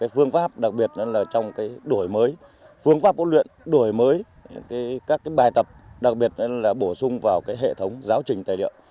phương pháp huấn luyện đổi mới các bài tập đặc biệt là bổ sung vào hệ thống giáo trình tài liệu